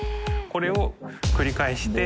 これを繰り返して。